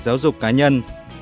giáo dục cá nhân